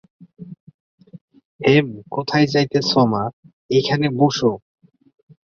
হেম, কোথায় যাইতেছ মা, এইখানে বোসো।